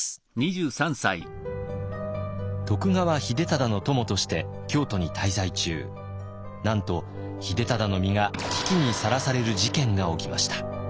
徳川秀忠の供として京都に滞在中なんと秀忠の身が危機にさらされる事件が起きました。